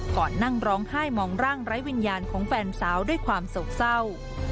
ก่อนนั่งร้องไห้มองร่างไร้วิญญาณของแฟนสาวด้วยความโศกเศร้า